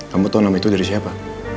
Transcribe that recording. kamu tau namanya itu dari siapa